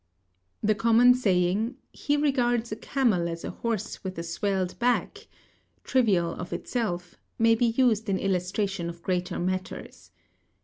"The common saying, 'He regards a camel as a horse with a swelled back,' trivial of itself, may be used in illustration of greater matters.